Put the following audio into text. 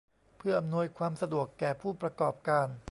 เพื่ออำนวยความสะดวกแก่ผู้ประกอบการ